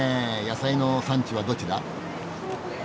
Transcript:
野菜の産地はどちら？